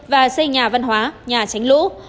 và xây nhà văn hóa nhà tránh lũ